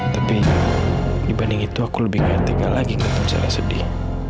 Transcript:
tapi dibanding itu aku lebih kayak tega lagi kalau saya sedih